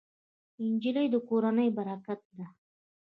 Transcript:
نجلۍ د کورنۍ برکت ده.